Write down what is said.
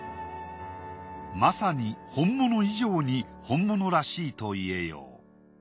まさに本物以上に本物らしいと言えよう。